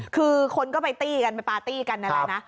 คือคนก็ไปตี้กันไปปาร์ตี้กันนั่นแหละนะ